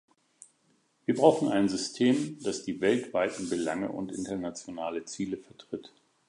Wir brauchen ein System, das die weltweiten Belange und internationale Ziele vertritt.